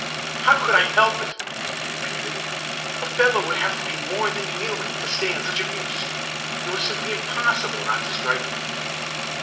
"How could I help it?" he repeated. "A fellow would have to be more than human to stand such abuse. It was simply impossible not to strike him."